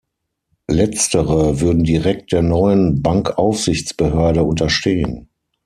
Letztere würden direkt der neuen Bankaufsichtsbehörde unterstehen.